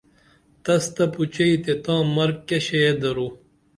تس تہ پوچئے تے تاں مرگ کیہ شئیہ درو